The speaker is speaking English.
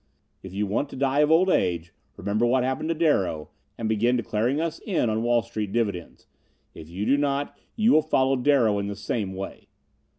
If you want to die of old age, remember what happened to Darrow and begin declaring us in on Wall Street dividends. If you do not you will follow Darrow in the same way.